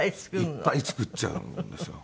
いっぱい作っちゃうんですよ。